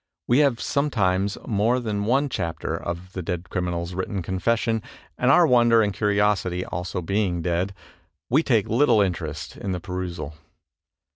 We have sometimes more than one chapter of the dead crimmal's written confession, and our wonder and curiosity also being dead, we take little interest in the perusal.